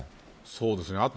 そうですね。